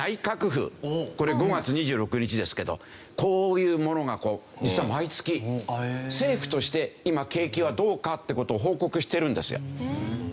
これ５月２６日ですけどこういうものが実は毎月政府として今景気はどうかって事を報告してるんですよ。